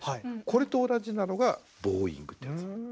これと同じなのがボウイングってやつ。